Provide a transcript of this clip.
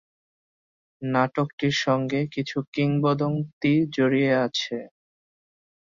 নাটকটির সঙ্গে কিছু কিংবদন্তি জড়িয়ে আছে।